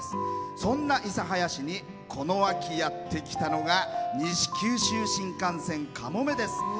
そんな諫早市にこの秋やってきたのは西九州新幹線かもめです。